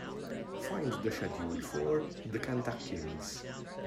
Find the schedule for The Kentuckians.